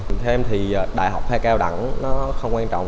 theo em thì đại học phải cao đẳng nó không quan trọng